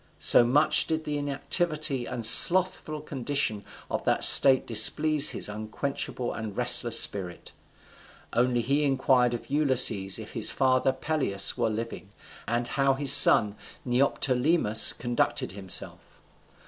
So much did the inactivity and slothful condition of that state displease his unquenchable and restless spirit. Only he inquired of Ulysses if his father Peleus were living, and how his son Neoptolemus conducted himself.